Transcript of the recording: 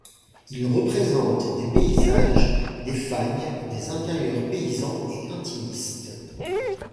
Il représente des paysages des fagnes, des intérieurs paysans et intimistes.